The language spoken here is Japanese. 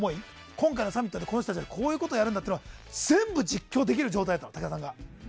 今回のサミットでこの人はこういうことやるんだって全部実況できる状態だったの武田さんが。